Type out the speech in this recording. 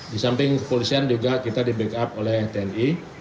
di samping kepolisian juga kita di backup oleh tni